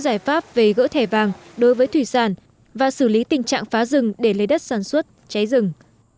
giải pháp về gỡ thẻ vàng đối với thủy sản và xử lý tình trạng phá rừng để lấy đất sản xuất cháy rừng